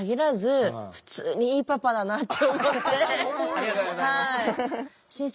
ありがとうございます。